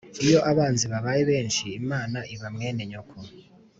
Iyo abanzi babaye benshi Imana iba mwene nyoko.